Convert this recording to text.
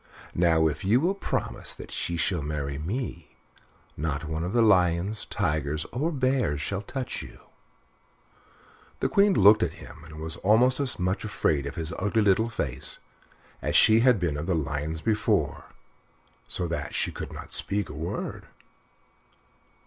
Now, if you will promise that she shall marry me, not one of the lions, tigers, or bears shall touch you." The Queen looked at him and was almost as much afraid of his ugly little face as she had been of the lions before, so that she could not speak a word.